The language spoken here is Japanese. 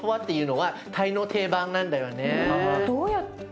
どうやって。